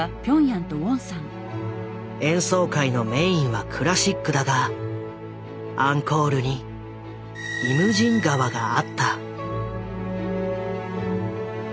演奏会のメインはクラシックだがアンコールに「イムジン河」があった。